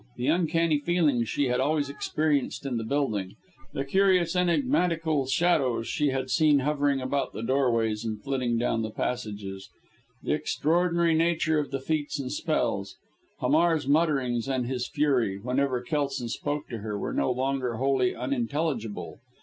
The uncanny feeling she had always experienced in the building; the curious enigmatical shadows she had seen hovering about the doorways and flitting down the passages; the extraordinary nature of the feats and spells; Hamar's mutterings and his fury, whenever Kelson spoke to her were no longer wholly unintelligible.